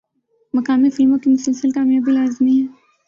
مقامی فلموں کی مسلسل کامیابی لازمی ہے۔